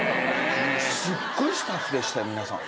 すっごいスタッフでしたよ皆さん。